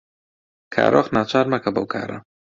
کارۆخ ناچار مەکە بەو کارە.